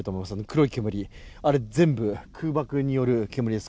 黒い煙、あれ全部、空爆による煙です。